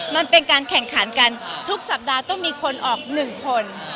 มันเป็นการแข่งขันกันทุกสัปดาห์ต้องมีคนออก๑คน